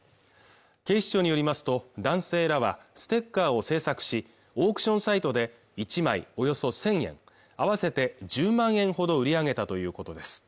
警視庁によりますと男性らはステッカーを制作しオークションサイトで１枚およそ１０００円合わせて１０万円ほど売り上げたということです